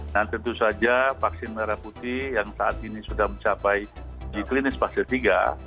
nah tentu saja vaksin merah putih yang saat ini sudah mencapai di klinis fase tiga